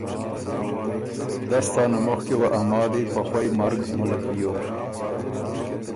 دس څانه مُخکی وه ا مالی په خوئ مرګ مُلک بیوک۔